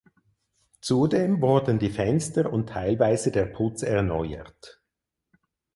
Zudem wurden die Fenster und teilweise der Putz erneuert.